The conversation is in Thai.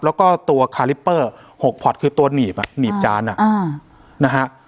แล้วก็ตัวคาริปเปอร์หกพอดคือตัวหนีบอ่ะหนีบจานอ่ะอ่านะฮะ